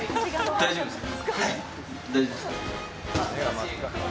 大丈夫すか？